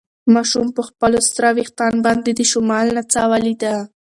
ماشوم په خپلو سره وېښتان باندې د شمال نڅا ولیده.